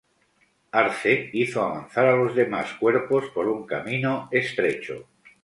Arce hizo avanzar a los demás cuerpos por un camino estrecho.